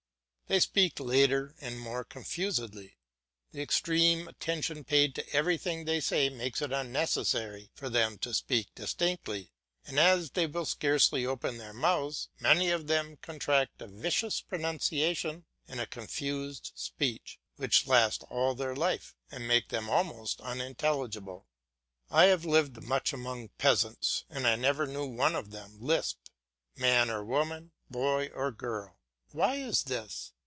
They speak later and more confusedly; the extreme attention paid to everything they say makes it unnecessary for them to speak distinctly, and as they will scarcely open their mouths, many of them contract a vicious pronunciation and a confused speech, which last all their life and make them almost unintelligible. I have lived much among peasants, and I never knew one of them lisp, man or woman, boy or girl. Why is this?